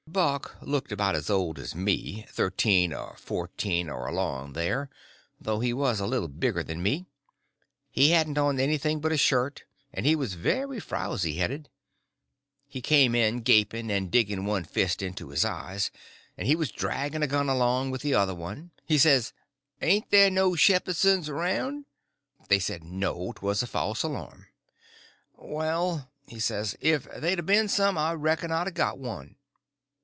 Buck looked about as old as me—thirteen or fourteen or along there, though he was a little bigger than me. He hadn't on anything but a shirt, and he was very frowzy headed. He came in gaping and digging one fist into his eyes, and he was dragging a gun along with the other one. He says: "Ain't they no Shepherdsons around?" They said, no, 'twas a false alarm. "Well," he says, "if they'd a ben some, I reckon I'd a got one."